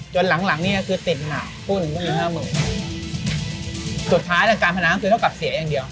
จนหลังเนี้ยก็คือติดเหมาพูนมีห้าหมึงสุดท้ายสังคัญการไปน้ำค่ะคุณต้องกลับเสียอย่างเดียว